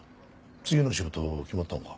次の仕事決まったのか？